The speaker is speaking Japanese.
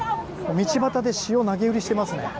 道端で塩、投げ売りしていますね。